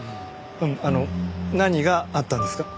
うんあの何があったんですか？